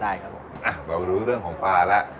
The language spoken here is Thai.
อ่ะเรารู้เรื่องของปลาแล้ว